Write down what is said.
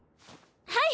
はい！